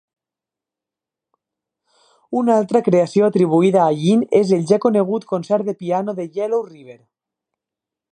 Una altra creació atribuïda a Yin és el ja conegut concert de piano de Yellow River.